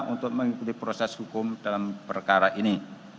untuk mengikuti proses hukum dalam perkara ini